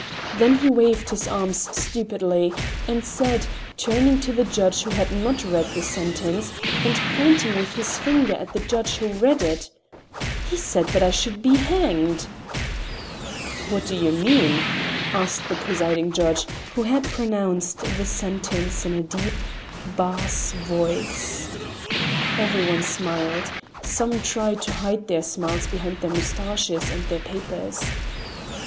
Then he waved his arms stupidly and said, turning to the judge who had not read the sentence, and pointing with his finger at the judge who read it: "He said that I should be hanged." "Who do you mean?" asked the presiding judge, who had pronounced the sentence in a deep, bass voice. Every one smiled; some tried to hide their smiles behind their mustaches and their papers.